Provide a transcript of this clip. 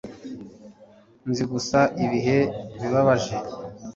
nzi gusa ibihe bibabaje